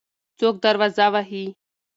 څوک دروازه وهي؟